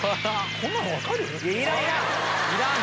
こんなの分かる？